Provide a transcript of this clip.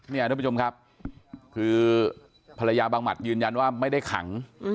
ท่านผู้ชมครับคือภรรยาบังหมัดยืนยันว่าไม่ได้ขัง